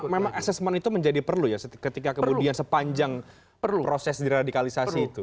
memang assessment itu menjadi perlu ya ketika kemudian sepanjang proses diradikalisasi itu